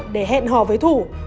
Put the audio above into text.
để hẹn họ với thủ